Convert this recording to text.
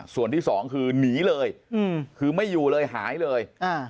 ส่วนที่สองคือหนีเลยคือไม่อยู่เลยหายเลย